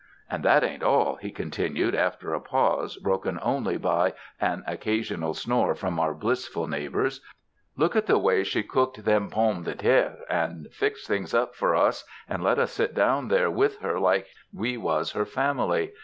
"And that ain't all," he continued, after a pause broken only by an occasional snore from our blissful neighbors. "Look at the way she cooked them pomme de terres and fixed things up for us and let us sit down there with her like we was her family.